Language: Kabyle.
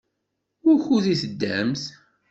Wukud i teddamt?